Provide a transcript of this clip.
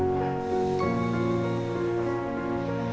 aku masih bercinta sama kamu